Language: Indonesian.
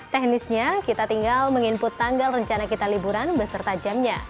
teknisnya kita tinggal meng input tanggal rencana kita liburan beserta jamnya